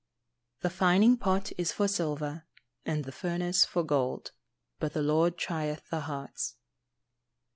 [Verse: "The fining pot is for silver, and the furnace for gold: but the Lord trieth the hearts."